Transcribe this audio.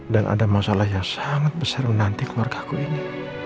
dan ada masalah yang sangat besar menantik keluarga ku ini